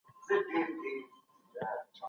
که پخوانیو خلګو پوهه لرلی افسانې به یې نه جوړولي.